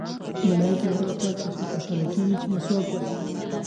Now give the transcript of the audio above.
ملایکې له هغه چا څخه خوشحاله کېږي چې مسواک وهي.